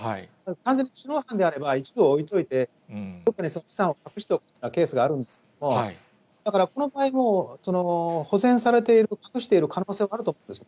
完全に知能犯であれば一度は置いといて、どこかに資産を隠しておくというケースがあるんですけれども、だからこの場合も、保全されている、隠している可能性はあると思うんです。